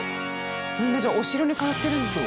みんなじゃあお城に通ってるんですね。